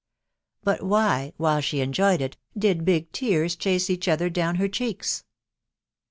But why, while she enjoyed it, did big tears chase each other down her cheeks?